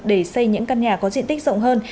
để xây những căn nhà có diện tích rộng hơn